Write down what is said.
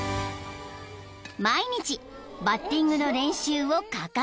［毎日バッティングの練習を欠かさない］